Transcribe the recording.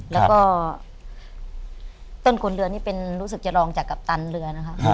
แล้วก็ต้นคนเรือนี่เป็นรู้สึกจะรองจากกัปตันเรือนะคะ